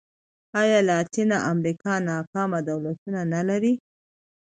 ایا لاتینه امریکا ناکام دولتونه نه لري.